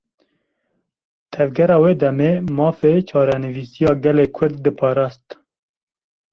Tevgera wê demê, mafê çarenivîsiya gelê Kurd diparast